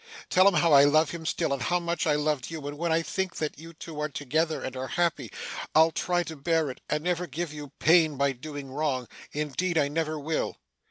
Tell him how I love him still, and how much I loved you; and when I think that you two are together, and are happy, I'll try to bear it, and never give you pain by doing wrong indeed I never will!